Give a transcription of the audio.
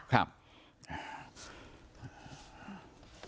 ครับ